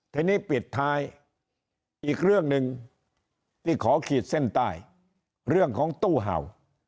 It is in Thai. ทีนี้ปิดท้ายอีกเรื่องหนึ่งที่ขอขีดเส้นใต้เรื่องของตู้เห่า